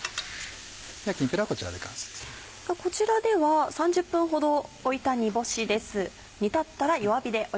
こちらでは３０分ほど置いた煮干しです。